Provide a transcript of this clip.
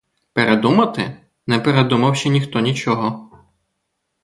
Передумати — не передумав ще ніхто нічого.